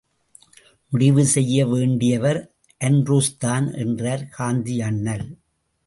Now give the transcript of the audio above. முடிவு செய்ய வேண்டியவர் ஆண்ட்ரூஸ்தான் என்றார் காந்தியண்ணல்.